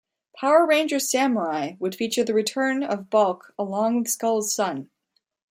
"Power Rangers Samurai" would feature the return of Bulk along with Skull's son.